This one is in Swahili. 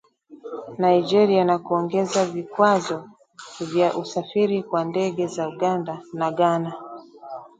Nigeria na kuongeza vikwazo vya usafiri kwa ndege za Uganda na Ghana